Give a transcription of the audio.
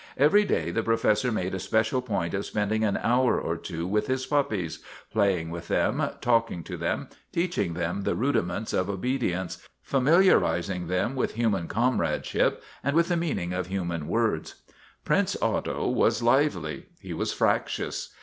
Every day the Professor made a special point of spending an hour or two with his puppies, playing with them, talking to them, teaching them the rudiments of obedience, familiarizing them with human comradeship and with the meaning of human words. Prince Otto was lively; he was fractious.